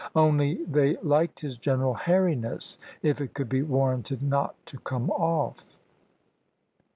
Only they liked his general hairiness, if it could be warranted not to come off.